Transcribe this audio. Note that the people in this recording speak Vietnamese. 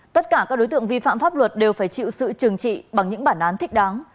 tất cả các đối tượng vi phạm pháp luật đều phải chịu sự trừng trị bằng những bản án thích đáng